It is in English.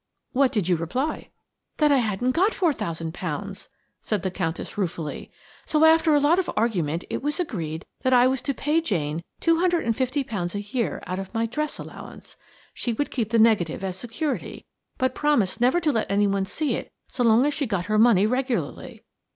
"What did you reply?" "That I hadn't got four thousand pounds," said the Countess ruefully; "so after a lot of argument it was agreed that I was to pay Jane two hundred and fifty pounds a year out of my dress allowance. She would keep the negative as security, but promised never to let anyone see it so long as she got her money regularly.